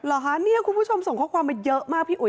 เหรอคะเนี่ยคุณผู้ชมส่งข้อความมาเยอะมากพี่อุ๋